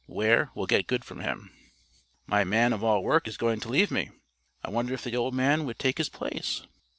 Weir will get good from him." "My man of all work is going to leave me. I wonder if the old man would take his place?"